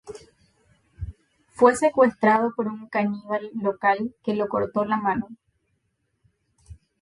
Fue secuestrado por un caníbal local que le cortó la mano.